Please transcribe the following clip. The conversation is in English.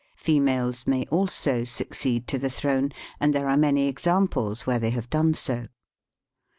Females may also succeed to the throne, and there are many examples where they have done so.